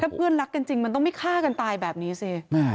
เพื่อนรักกันจริงมันต้องไม่ฆ่ากันตายแบบนี้สิ